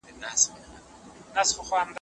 کلونه کیږي د ځنګله پر څنډه